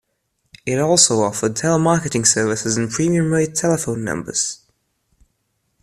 It also offered telemarketing services and Premium-rate telephone numbers.